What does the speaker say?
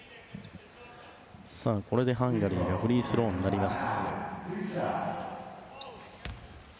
これでハンガリーがフリースローになります。